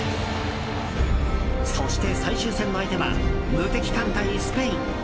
そして、最終戦の相手は無敵艦隊、スペイン。